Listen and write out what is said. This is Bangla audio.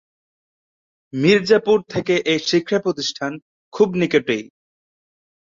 মির্জাপুর থেকে এ শিক্ষাপ্রতিষ্ঠান খুব নিকটেই।